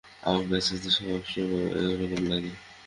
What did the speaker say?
আমার কাছে তো সবসময় একরকম লাগে।